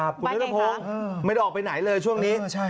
บ๊วยน้ำโพงไม่ได้ออกไปไหนเลยช่วงนี้